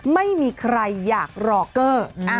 ไม่มีใครอยากรอเกอร์